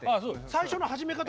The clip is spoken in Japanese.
最初の始め方ね。